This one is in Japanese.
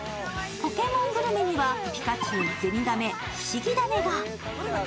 ポケモングルメにはピカチュウ、ゼニガメ、フシギダネが。